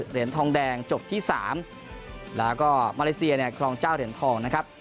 เหรียญทองแดงจบที่๓แล้วก็มาเลเซียเนี่ยครองเจ้าเหรียญทองนะครับ